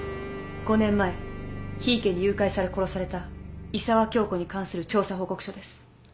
５年前檜池に誘拐され殺された伊澤恭子に関する調査報告書です。